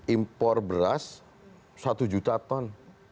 impor beras satu juta ton